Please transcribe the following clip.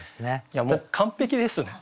いやもう完璧ですね。